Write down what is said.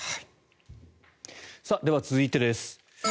では続いてです。